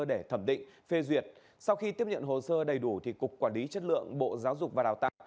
để thẩm định phê duyệt sau khi tiếp nhận hồ sơ đầy đủ thì cục quản lý chất lượng bộ giáo dục và đào tạo